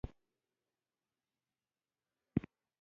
ګچ د ودانیو په سپینولو کې کاریږي.